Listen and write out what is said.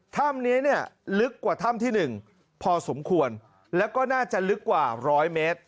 ถ้ำนี้เนี่ยลึกกว่าถ้ำที่๑พอสมควรแล้วก็น่าจะลึกกว่าร้อยเมตร